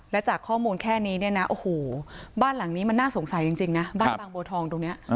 และจากข้อมูลแค่นี้เนี่ยนะโอ้โหบ้านหลังนี้มันน่าสงสัยจริงนะบ้านบางบัวทองตรงนี้